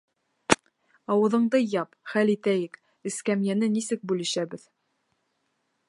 Ауыҙыңды яп. Хәл итәйек: эскәмйәне нисек бүлешәбеҙ?